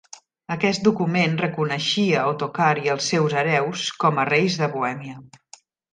Aquest document reconeixia Ottokar i els seus hereus com a Reis de Bohèmia.